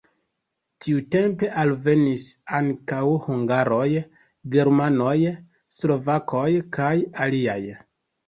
Tiutempe alvenis ankaŭ hungaroj, germanoj, slovakoj kaj aliaj.